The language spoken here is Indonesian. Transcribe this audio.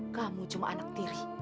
kamu cuma anak diri